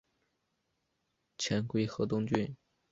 遣归河东郡。